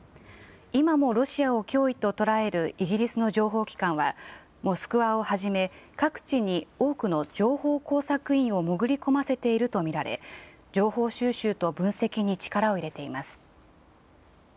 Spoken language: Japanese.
今もロシアを脅威と捉えるイギリスの情報機関はモスクワをはじめ各地に多くの情報工作員を潜り込ませていると見られ情報収集と分析に力を入れています。